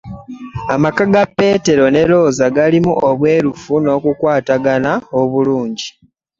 Amaka ga Petero ne Roza gaalimu obwerufu n'okukwatagana obulungi.